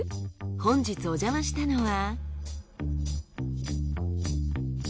本日おじゃましたのは。